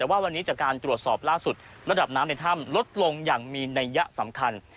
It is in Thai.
แต่ว่าวันนี้จากการตรวจสอบล่าสุดระดับน้ำในถ้ำลดลงอย่างมีนัยยะสำคัญ